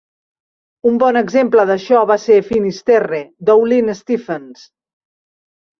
Un bon exemple d'això va ser "Finisterre", d'Olin Stephens.